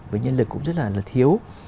với nhân lực cũng rất là thiếu